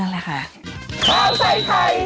อืมนั่นแหละค่ะ